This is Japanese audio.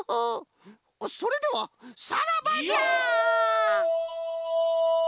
それではさらばじゃ！